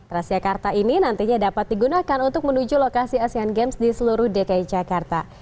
transjakarta ini nantinya dapat digunakan untuk menuju lokasi asean games di seluruh dki jakarta